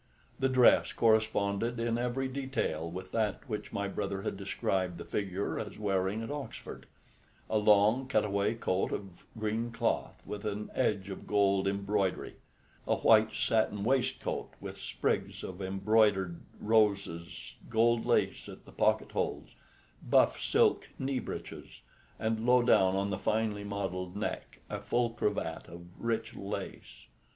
The dress corresponded in every detail with that which my brother had described the figure as wearing at Oxford: a long cut away coat of green cloth with an edge of gold embroidery, a white satin waistcoat with sprigs of embroidered roses, gold lace at the pocket holes, buff silk knee breeches, and low down on the finely modelled neck a full cravat of rich lace.